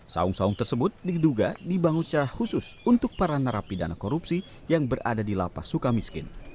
saung saung tersebut diduga dibangun secara khusus untuk para narapidana korupsi yang berada di lapas suka miskin